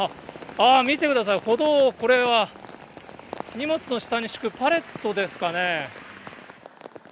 あー、見てください、歩道、これは荷物の下に敷くパレットですかね。